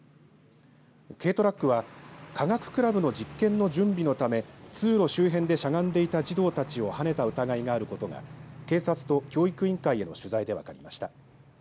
軽トラックは科学クラブの実験の準備のため通路周辺でしゃがんでいた児童たちをはねた疑いがあることが警察と教育委員会への取材で分かりました。